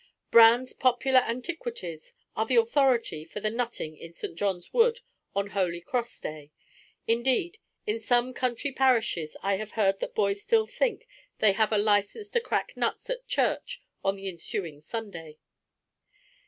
Brand's Popular Antiquities are the authority for the nutting in St. John's Wood on Holy Cross Day. Indeed, in some country parishes I have heard that boys still think they have a license to crack nuts at church on the ensuing Sunday.